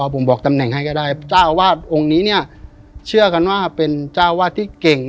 ผมบอกตำแหน่งให้ก็ได้เจ้าอาวาสองค์นี้เนี่ยเชื่อกันว่าเป็นเจ้าวาดที่เก่ง